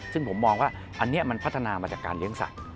ซึ่งผมมองว่าอันนี้มันพัฒนามาจากการเลี้ยงสัตว